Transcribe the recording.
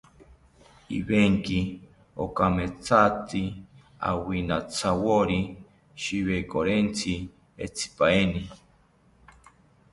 Ivenki okamethatzi awinantyawori shiwerontzi entzipaeni